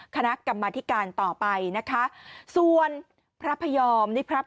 คณะกรรมธิการต่อไปนะคะส่วนพระพยอมนี่ครับ